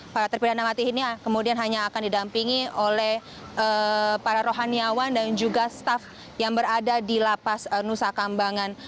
para terpidana mati ini kemudian hanya akan didampingi oleh para rohaniawan dan juga staff yang berada di lapas nusa kambangan